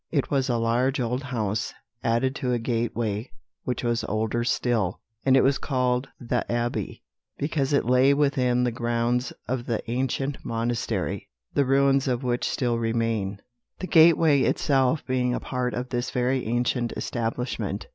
It was a large old house, added to a gateway which was older still; and it was called The Abbey, because it lay within the grounds of the ancient monastery, the ruins of which still remain, the gateway itself being a part of this very ancient establishment."